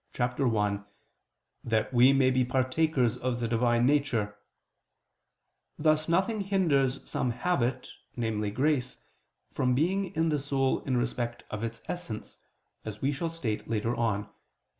1, "that we may be partakers of the Divine Nature": thus nothing hinders some habit, namely, grace, from being in the soul in respect of its essence, as we shall state later on (Q.